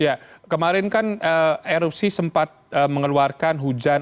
ya kemarin kan erupsi sempat mengeluarkan hujan